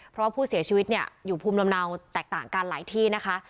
เพราะว่าผู้เสียชีวิตเนี่ยอยู่ภูมิลำเนาแตกต่างกันหลายที่นะคะ